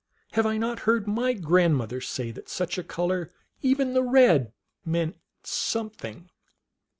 Have I not heard my grandmother say that such a color, even the red, meant something